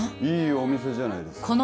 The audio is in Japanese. いいお店じゃないですか